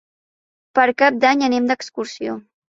Per Cap d'Any anem d'excursió.